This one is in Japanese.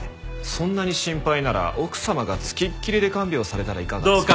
そんなに心配なら奥様がつきっきりで看病されたらいかがですか？